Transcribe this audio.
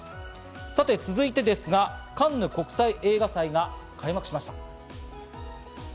続いて、カンヌ国際映画祭が開幕しました。